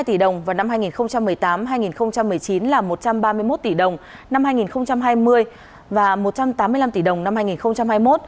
hai tỷ đồng vào năm hai nghìn một mươi tám hai nghìn một mươi chín là một trăm ba mươi một tỷ đồng năm hai nghìn hai mươi và một trăm tám mươi năm tỷ đồng năm hai nghìn hai mươi một